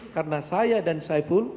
karena saya dan saiful